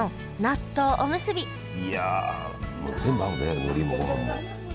いやもう全部合うねのりもごはんも。